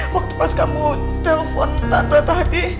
waktu pas kamu telpon tante tadi